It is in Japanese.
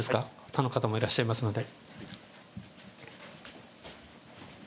他の方もいらっしゃいますので。